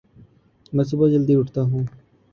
میں صبح جلدی اٹھتاہوں